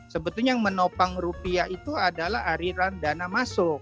sebetulnya yang menopang rupiah itu adalah aliran dana masuk